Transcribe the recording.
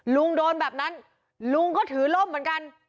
ลุงโดนแบบนั้นลุงก็ถือล่มเหมือนกัน